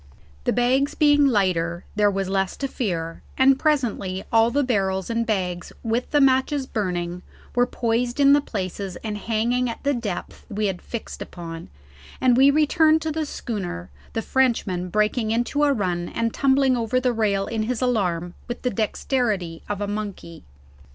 The bags being lighter there was less to fear, and presently all the barrels and bags with the matches burning were poised in the places and hanging at the depth we had fixed upon, and we then returned to the schooner, the Frenchman breaking into a run and tumbling over the rail in his alarm with the dexterity of a monkey.